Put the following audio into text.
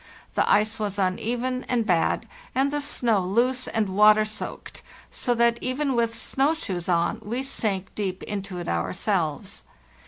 The ice was uneven and bad, and the snow loose and water soaked, so that, even with snow shoes on, we sank deep into it ourselves.